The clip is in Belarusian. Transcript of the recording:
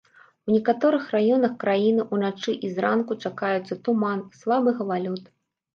У некаторых раёнах краіны ўначы і зранку чакаюцца туман, слабы галалёд.